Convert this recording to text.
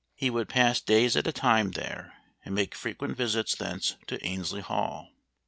He would pass days at a time there, and make frequent visits thence to Annesley Hall.